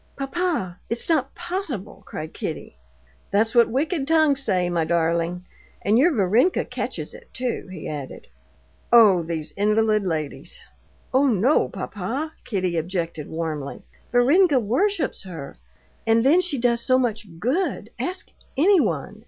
"Papa, it's not possible!" cried Kitty. "That's what wicked tongues say, my darling. And your Varenka catches it too," he added. "Oh, these invalid ladies!" "Oh, no, papa!" Kitty objected warmly. "Varenka worships her. And then she does so much good! Ask anyone!